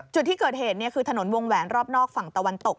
จุดที่เกิดเหตุคือถนนวงแหวนรอบนอกฝั่งตะวันตก